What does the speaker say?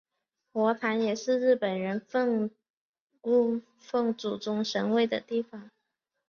佛坛也是日本人供奉祖宗神位的地方。